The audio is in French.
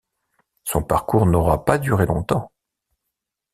Son parcours n'aura pas duré longtemps.